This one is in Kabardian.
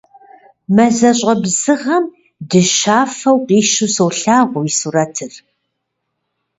Мазэщӏэ бзыгъэм дыщафэу къищу солъагъу уи сурэтыр.